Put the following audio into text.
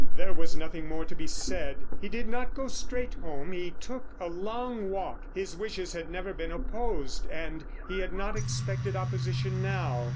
There was nothing more to be said. He did not go straight home, he took a long walk. His wishes had never been opposed, and he had not expected opposition now.